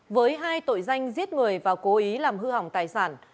với hai tội danh giết người và cố ý làm hư hỏng tài sản